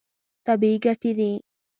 طبیعي ګټې دي.